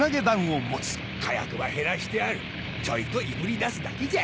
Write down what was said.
火薬は減らしてあるちょいといぶり出すだけじゃ。